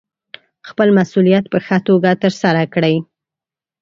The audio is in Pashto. خپل مسوولیت په ښه توګه ترسره کړئ.